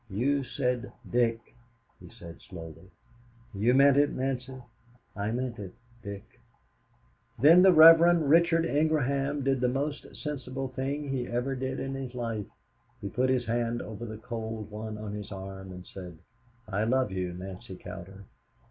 "You said 'Dick,'" he said slowly. "You meant it, Nancy?" "I meant it Dick." Then the Rev. Richard Ingraham did the most sensible thing he ever did in his life, he put his hand over the cold one on his arm, and said, "I love you, Nancy Cowder."